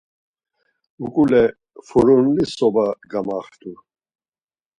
Uǩule furunli soba gamaxtu.